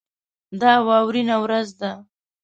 دا واورینه ورځ ده.